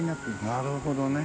なるほどね。